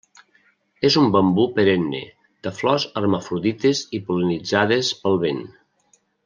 És un bambú perenne de flors hermafrodites i pol·linitzades pel vent.